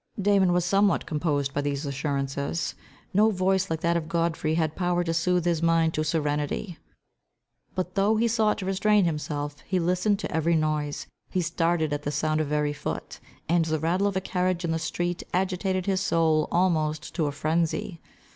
Damon was somewhat composed by these assurances. No voice like that of Godfrey had power to sooth his mind to serenity. But though he sought to restrain himself, he listened to every noise. He started at the sound of every foot, and the rattle of a carriage in the street agitated his soul almost to frenzy.